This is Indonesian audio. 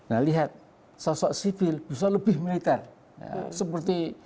nah lihat sosok sipil bisa lebih militer